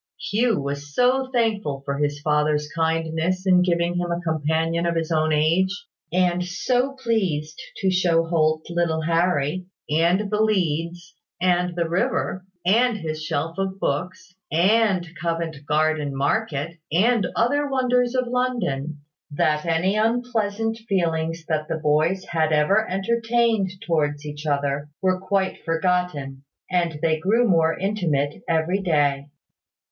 Hugh was so thankful for his father's kindness in giving him a companion of his own age, and so pleased to show Holt little Harry, and the leads, and the river, and his shelf of books, and Covent Garden Market, and other wonders of London, that any unpleasant feelings that the boys had ever entertained towards each other were quite forgotten, and they grew more intimate every day.